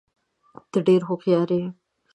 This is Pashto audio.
ته ډېر هوښیار یې.